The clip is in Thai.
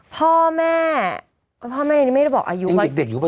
พ่อแม่พ่อแม่นี่ไม่ได้บอกอายุ